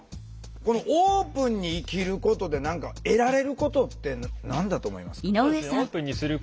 このオープンに生きることで何か得られることって何だと思いますか？